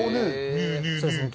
「そうですね。